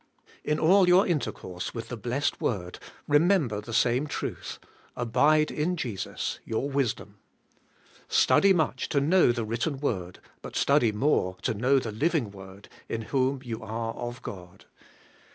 In all your intercourse with the Messed Word^ re member the same truth : abide in Jesus, your wisdom. Study much to know the written Word; but study more to know the living Word, in whom you are of God.